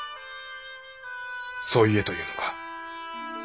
そう言えというのか？